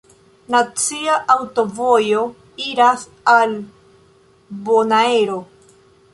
Nacia aŭtovojo iras al Bonaero.